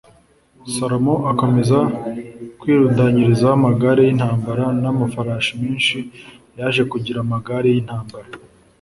Salomo akomeza kwirundanyiriza amagare y intambara n amafarashi menshi Yaje kugira amagare y intambara